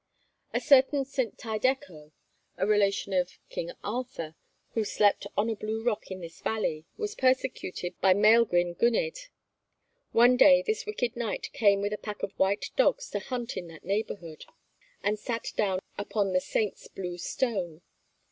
A certain St. Tydecho, a relation of King Arthur, who slept on a blue rock in this valley, was persecuted by Maelgwn Gwynedd. One day this wicked knight came with a pack of white dogs to hunt in that neighbourhood, and sat down upon the saint's blue stone.